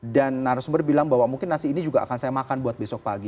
dan narasumber bilang bahwa mungkin nasi ini juga akan saya makan buat besok pagi